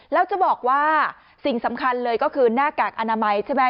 แล้วจะบอกว่าสิ่งสำคัญเลยก็คือหน้ากากอนามัยใช่ไหม